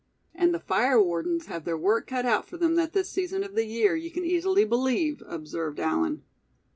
"And the fire wardens have their work cut out for them at this season of the year, you can easily believe," observed Allan.